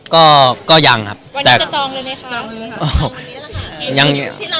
ต้องห่าง